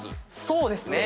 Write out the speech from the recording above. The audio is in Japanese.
そうですね。